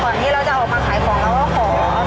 ก่อนที่จะออกมาขายของเราก็ขอ